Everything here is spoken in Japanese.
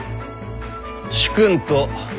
主君と。